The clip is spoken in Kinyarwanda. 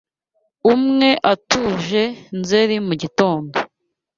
Umwe atuje Nzeri mugitondo